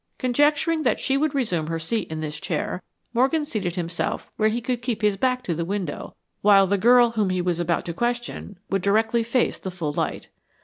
Conjecturing that she would resume her seat in this chair, Morgan seated himself where he could keep his back to the window, while the girl whom he was about to question would directly face the full light.